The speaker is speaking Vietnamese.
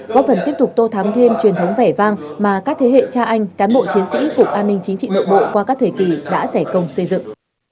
góp phần tiếp tục tô thám thêm truyền thống vẻ vang mà các thế hệ cha anh cán bộ chiến sĩ cục an ninh chính trị nội bộ qua các thời kỳ đã giải công xây dựng